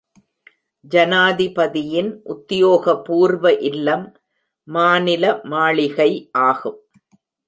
ஜனாதிபதியின் உத்தியோகபூர்வ இல்லம் மாநில மாளிகை ஆகும்.